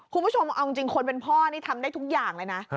คุณผู้ชมเอาจริงคนเป็นพ่อนี่ทำได้ทุกอย่างเลยนะ